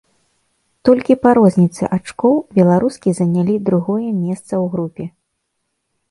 Толькі па розніцы ачкоў беларускі занялі другое месца ў групе.